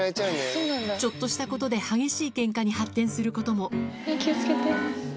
ちょっとしたことで激しいけんかに発展することも。